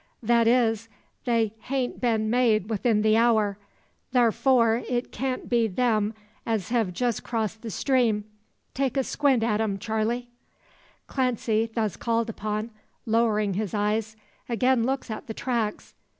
"Thet is, they hain't been made 'ithin the hour. Tharfor, it can't be them as hev jest crossed the stream. Take a squint at 'em, Charley." Clancy, thus called upon, lowering his eyes, again looks at the tracks.